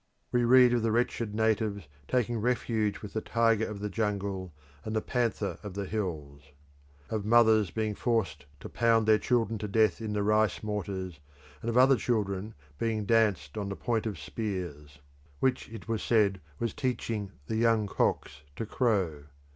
We read of the wretched natives taking refuge with the tiger of the jungle and the panther of the hills; of mothers being forced to pound their children to death in the rice mortars, and of other children being danced on the point of spears, which it was said was teaching the young cocks to crow.